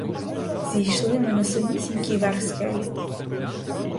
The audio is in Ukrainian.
Зійшли ми на самісінький верх скелі.